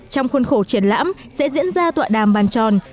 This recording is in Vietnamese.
trong khuôn khổ triển lãm sẽ diễn ra tọa đàm bàn tròn